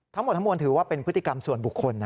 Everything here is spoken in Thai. ทั้งหมดทั้งมวลถือว่าเป็นพฤติกรรมส่วนบุคคลนะ